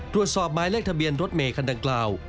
ตรวจสอบหมายเลขทะเบียนรถเมคันดังกล่าว